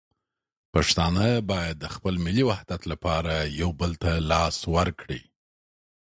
پښتانه باید د خپل ملي وحدت لپاره یو بل ته لاس ورکړي.